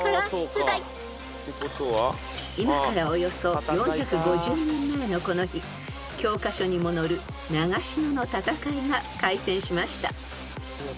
［今からおよそ４５０年前のこの日教科書にも載る長篠の戦いが開戦しました］